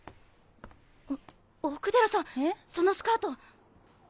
あっ奥寺さんそのスカート！